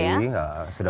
sudah bertemu setiap hari